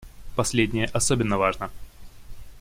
Последнее особенно важно.